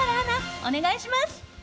お願いします！